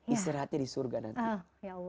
istirahatnya di surga nanti